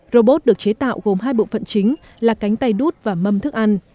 robot được chế tạo gồm hai bộ phận chính là cánh tay đút và mâm thức ăn